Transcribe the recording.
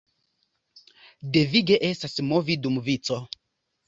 Devige estas movi dum vico.